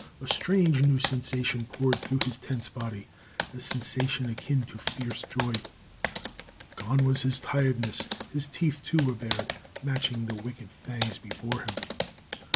A strange new sensation poured through his tense body, a sensation akin to fierce joy. Gone was his tiredness; his teeth too were bared, matching the wicked fangs before him.